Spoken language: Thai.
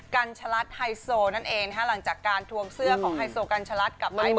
กัญชลัดไฮโซนั่นเองนะคะหลังจากการทวงเสื้อของไฮโซกัญชลัดกับไม้